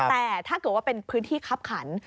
แต่ถ้าเกิดว่าเป็นพื้นที่คับขัน